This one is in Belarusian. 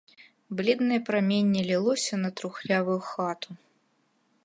Бледнае праменне лілося на трухлявую хату.